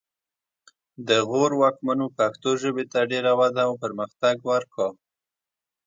د غور واکمنو پښتو ژبې ته ډېره وده او پرمختګ ورکړ